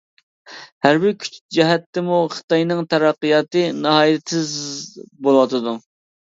ھەربىي كۈچ جەھەتتىمۇ خىتاينىڭ تەرەققىياتى ناھايىتى تېز بولۇۋاتىدۇ.